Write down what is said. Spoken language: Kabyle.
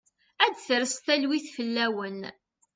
Ad d-tres talwit fell-awen.